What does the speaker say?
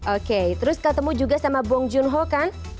oke terus ketemu juga sama bong joon ho kan